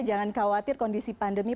jangan khawatir kondisi pandemi